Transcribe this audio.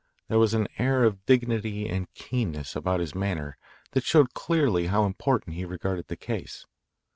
There was an air of dignity and keenness about his manner that showed clearly how important he regarded the case.